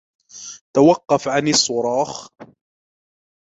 توقف عن الصراخ!